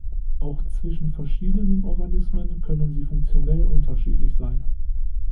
Auch zwischen verschiedenen Organismen können sie funktionell unterschiedlich sein.